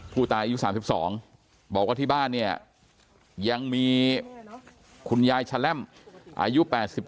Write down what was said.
ผู้ตายอายุ๓๒บอกว่าที่บ้านเนี่ยยังมีคุณยายชะแลมอายุ๘๒